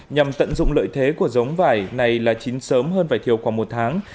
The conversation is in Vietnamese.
nhằm tận dụng lợi thế của giống vải này là chín sớm hơn vải thiều khoảng một tháng